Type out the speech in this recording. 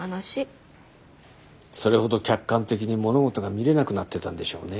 それほど客観的に物事が見れなくなってたんでしょうね。